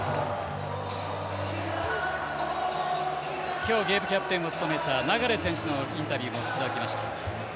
今日ゲームキャプテンを務めた流選手のインタビューもお聞きいただきました。